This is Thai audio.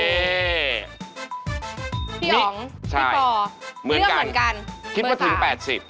พี่หองพี่ปอร์เตรียมเหมือนกันเบอร์๓คิดว่าถึง๘๐